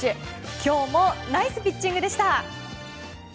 今日もナイスピッチングでした。